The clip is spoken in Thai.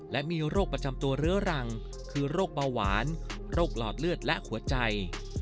และมีโรคประจำตัวเรื้อรังคือโรคเบาหวานโรคหลอดเลือดและหัวใจ